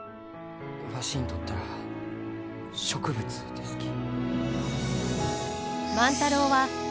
わしにとったら植物ですき。